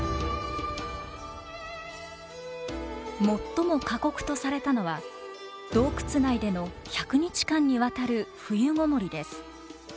最も過酷とされたのは洞窟内での１００日間にわたる冬籠もりです。